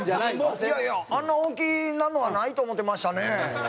いやいやあんな大きなるのはないと思ってましたね。